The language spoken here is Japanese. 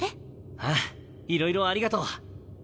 ああいろいろありがとう。